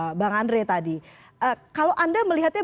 tidak hanya oligarki yang kemudian disebutkan oleh bima